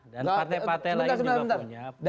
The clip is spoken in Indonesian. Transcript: dan partai partai lain juga punya program